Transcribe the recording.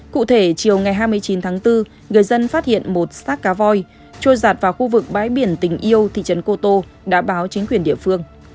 cụ thể chiều ngày hai mươi chín tháng bốn người dân phát hiện một sát cá voi trôi giạt vào khu vực bãi biển tình yêu thị trấn cô tô đã báo chính quyền địa phương